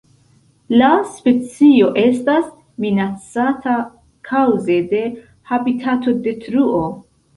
La specio estas minacata kaŭze de habitatodetruo.